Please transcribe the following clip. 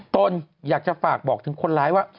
ตนอยากจะฝากบอกถึงคนร้ายว่า